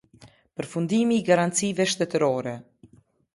Përfundimi i garancive shtetërore.